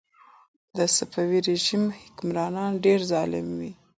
د صفوي رژیم حکمرانان ډېر ظالم وو.